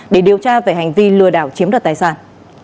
để điều tra về hành vi lừa đảo chiếm đoạt tài sản